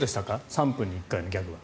３分に１回のギャグは。